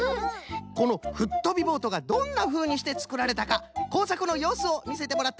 この「フットびぼート」がどんなふうにしてつくられたかこうさくのようすをみせてもらったぞい！